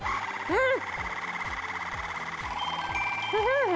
うん！